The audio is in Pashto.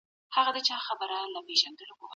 ایا ملي بڼوال تور ممیز اخلي؟